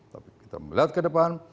tapi kita melihat ke depan